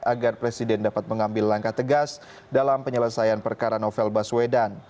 agar presiden dapat mengambil langkah tegas dalam penyelesaian perkara novel baswedan